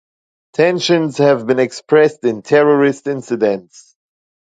Tensions have been expressed in terrorist incidents.